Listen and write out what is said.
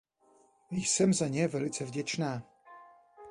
Jsem za ně velice vděčná.